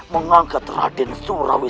mengangkat raden surawi